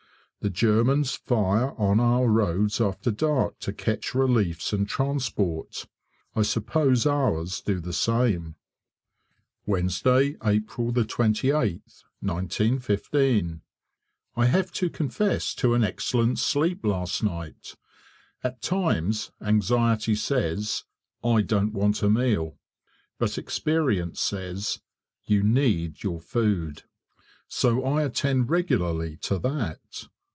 The Germans fire on our roads after dark to catch reliefs and transport. I suppose ours do the same. Wednesday, April 28th, 1915. I have to confess to an excellent sleep last night. At times anxiety says, "I don't want a meal," but experience says "you need your food," so I attend regularly to that.